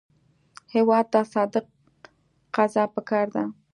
هېواد ته صادق قضا پکار ده